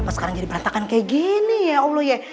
apa sekarang jadi perantakan kayak gini ya allah ya